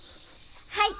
はい。